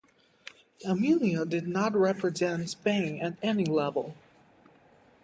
Almunia did not represent Spain at any level.